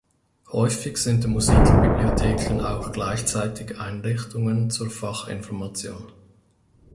Häufig sind Musikbibliotheken auch gleichzeitig Einrichtungen zur Fachinformation.